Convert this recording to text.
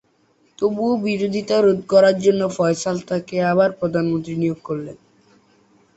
তবুও, বিরোধীতা রোধ করার জন্য ফয়সাল তাকে আবার প্রধানমন্ত্রী নিয়োগ করলেন।